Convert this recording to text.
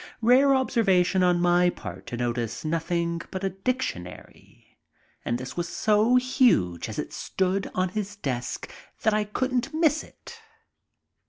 Rare observation on my part to notice nothing but a dictionary, and this was so huge as it stood on his desk that I couldn't miss it.